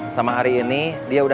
gak ada yang kabur